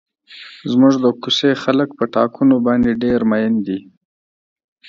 زموږ د کوڅې خلک په ټاکنو باندې ډېر مین دي.